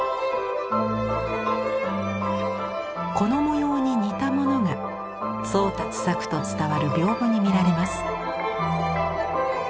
この模様に似たものが宗達作と伝わる屏風に見られます。